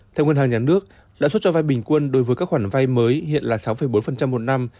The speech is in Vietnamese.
theo nguyên hàng nhà nước đã xuất cho vai bình quân đối với các khoản vai mới hiện là sáu bốn một năm